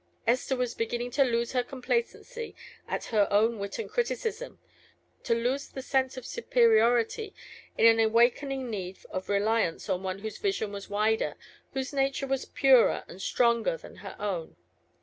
Esther was beginning to lose her complacency at her own wit and criticism; to lose the sense of superiority in an awakening need of reliance on one whose vision was wider, whose nature was purer and stronger than her own.